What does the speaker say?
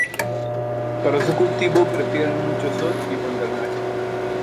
Para su cultivo prefieren mucho sol y buen drenaje.